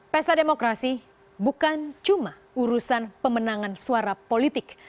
pesta demokrasi bukan cuma urusan pemenangan suara politik